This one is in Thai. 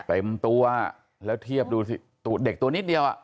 เต็มตัวแล้วเทียบดูสิตัวเด็กตัวนิดเดียวอ่ะ